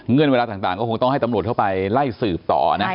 เวลาต่างก็คงต้องให้ตำรวจเข้าไปไล่สืบต่อนะ